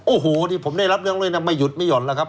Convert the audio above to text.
โอ้โหที่ผมได้รับเรื่องเลยนะไม่หยุดไม่ห่อนแล้วครับ